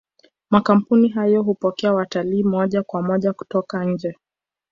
makampuni hayo hupokea watalii moja kwa moja kutoka nje